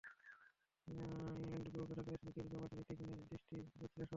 ইংল্যান্ডের বিপক্ষে ঢাকা টেস্টের তৃতীয় দিন মাঠের একটি কোণে দৃষ্টি যাচ্ছিল সবারই।